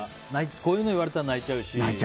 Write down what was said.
こういうの言われたら泣いちゃうし。